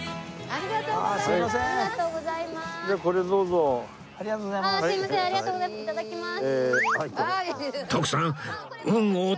ありがとうございます。